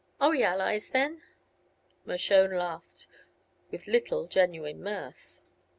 Are we allies, then?" Mershone laughed, with little genuine mirth.